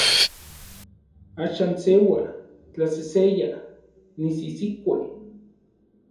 Axan seua, tlaseseya, nisisikue.